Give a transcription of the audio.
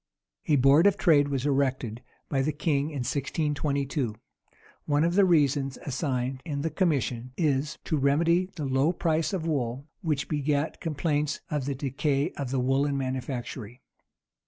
A board of trade was erected by the king in 1622.[*] One of the reasons assigned in the commission is, to remedy the low price of wool, which begat complaints of the decay of the woollen manufactory.